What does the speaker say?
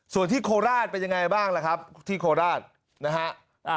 ส่วนที่โคราชเป็นยังไงบ้างล่ะครับที่โคราชนะฮะ